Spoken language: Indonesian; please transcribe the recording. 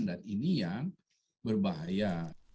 dan ini yang berbahaya